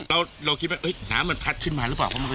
เราคิดว่าน้ำมันพัดขึ้นมาหรือเปล่า